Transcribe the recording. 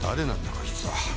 こいつは。